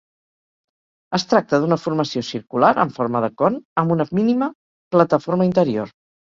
Es tracta d'una formació circular amb forma de con, amb una mínima plataforma interior.